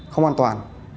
không an toàn